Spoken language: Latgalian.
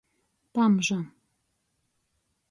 Pamža.